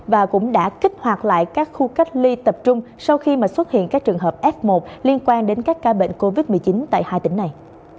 và cũng đã kích hoạt lại các khu cách ly tập trung sau khi mà xuất hiện các trường hợp f một liên quan đến các ca bệnh covid một mươi chín tại hai tỉnh này